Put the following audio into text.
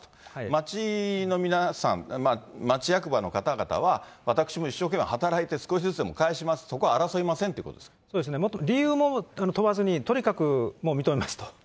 町の皆さん、町役場の方々は、私も一生懸命働いて少しずつでも返します、そこは争いませんといそうですね、理由も問わずに、とにかくもう認めますと。